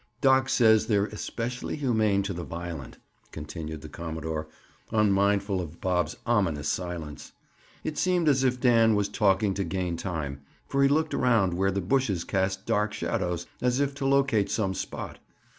"Doc says they're especially humane to the violent," continued the commodore, unmindful of Bob's ominous silence. It seemed as if Dan was talking to gain time, for he looked around where the bushes cast dark shadows, as if to locate some spot.